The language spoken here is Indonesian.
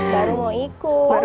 baru mau ikut